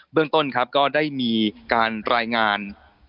เรื่องต้นครับก็ได้มีการรายงาน